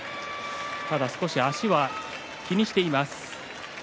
ただ足は少し気にしています。